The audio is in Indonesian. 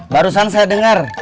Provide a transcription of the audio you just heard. barusan saya dengar